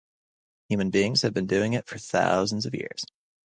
Human beings have been doing it for thousands of years.